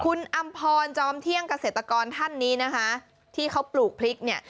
คุณอำพรจอมเที่ยงเกษตรกรท่านนี้นะคะที่เขาปลูกพริกเนี่ย